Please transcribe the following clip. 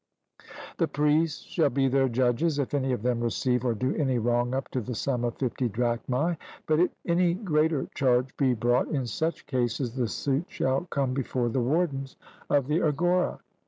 The priests shall be their judges, if any of them receive or do any wrong up to the sum of fifty drachmae, but if any greater charge be brought, in such cases the suit shall come before the wardens of the agora.